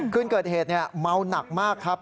คืนเกิดเหตุเมาหนักมากครับ